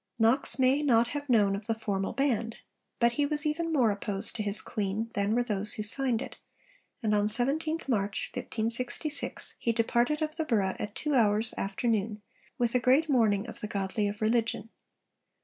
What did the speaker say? Knox may not have known of the formal Band; but he was even more opposed to his Queen than were those who signed it, and on 17th March 1566 he 'departed of the Burgh at two hours afternoon, with a great mourning of the godly of religion.'